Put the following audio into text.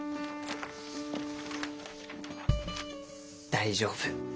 大丈夫。